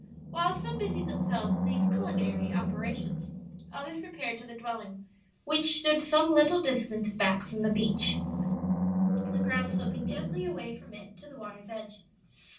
While some busied themselves with these culinary operations, others repaired to the dwelling, which stood some little distance back from the beach, the ground sloping gently away from it to the water's edge.